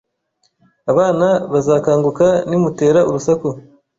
Abana bazakanguka nimutera urusaku